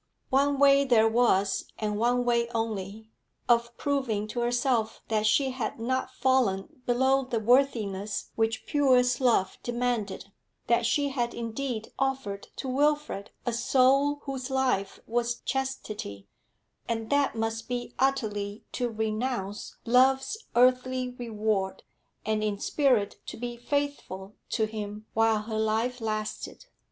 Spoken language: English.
One way there was, and one way only, of proving to herself that she had not fallen below the worthiness which purest love demanded, that she had indeed offered to Wilfrid a soul whose life was chastity and that must be utterly to renounce love's earthly reward, and in spirit to be faithful to him while her life lasted.